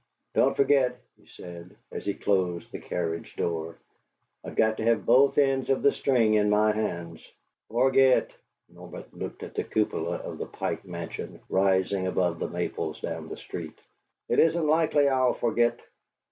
"Don't forget," he said, as he closed the carriage door, "I've got to have both ends of the string in my hands." "Forget!" Norbert looked at the cupola of the Pike Mansion, rising above the maples down the street. "It isn't likely I'll forget!"